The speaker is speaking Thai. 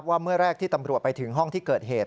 เมื่อแรกที่ตำรวจไปถึงห้องที่เกิดเหตุ